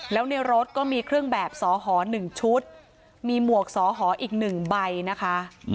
แล้วในรถก็มีเครื่องแบบสอหอ๑ชุดมีหมวกสอหออีก๑ใบนะคะ